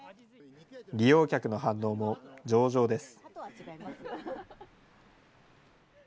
利用客の反応も上々です。